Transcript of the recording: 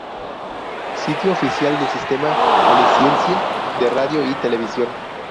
Sitio oficial del Sistema Jalisciense de Radio y Televisión